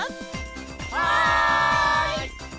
はい！